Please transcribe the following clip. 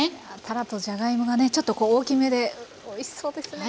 たらとじゃがいもがねちょっと大きめでおいしそうですね